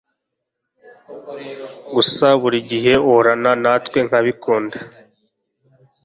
gusa burigihe uhorana natwe nkabikunda